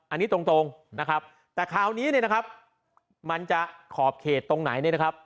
อันนี้ตรงนะครับแต่คราวนี้เนี่ยนะครับมันจะขอบเขตตรงไหนเนี่ยนะครับ